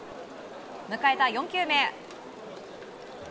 迎えた４球目。